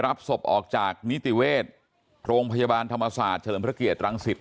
รับศพออกจากนิติเวชโรงพยาบาลธรรมศาสตร์เฉลิมพระเกียรังสิต